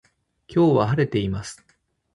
今日は晴れています